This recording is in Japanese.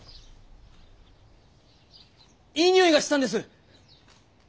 いい匂いがしたんです。